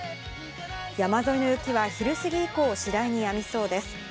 山沿いの雪は昼過ぎ以降、次第にやみそうです。